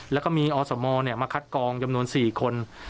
แล้วก็มีอสมมาคัดกองจำนวน๔คน